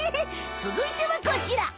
つづいてはこちら！